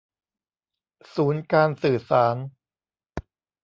ศูนย์การสื่อสาร